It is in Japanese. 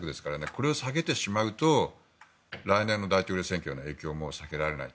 これを下げてしまうと来年の大統領選挙への影響も避けられない。